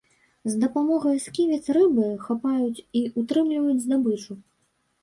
З дапамогай сківіц рыбы хапаюць і ўтрымліваюць здабычу.